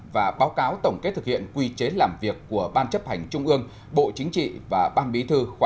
và báo cáo tổng kết thực hiện quy chế làm việc của ban chấp hành trung ương bộ chính trị và ban bí thư khóa một mươi ba